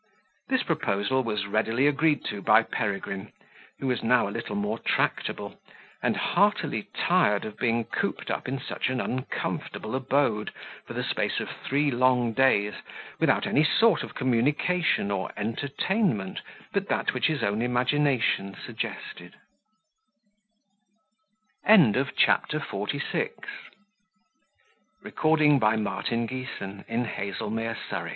This proposal was readily agreed to by Peregrine, who was now a little more tractable, and heartily tired of being cooped up in such an uncomfortable abode, for the space of three long days, without any sort of communication or entertainment but that which his own imagination suggested. CHAPTER XLVII. Peregrine makes himself Merry at the Expense of the Painter, w